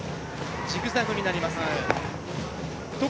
ジグザグになります。